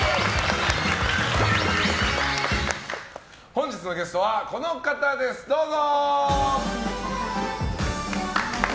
本日のゲストはこの方ですどうぞ！